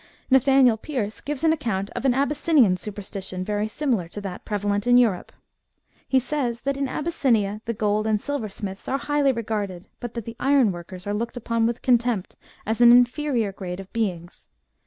Nathaniel Pierce * gives an account of an Abyssinian superstition very similar to that prevalent in Europe. He says that in Abyssinia the gold and silversmiths are highly regarded, but that the ironworkers are looked upon with contempt, as an inferior grade of beings.